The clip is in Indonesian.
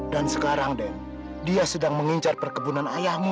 dan sekarang dia sedang mengincar perkebunan ayahmu